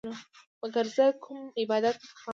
مګر زه کومه عبادت خانه نه یم